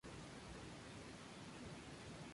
Pedicelos soldados al eje de la inflorescencia.